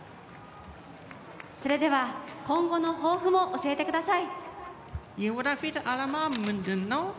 それでは今後の抱負も教えてください。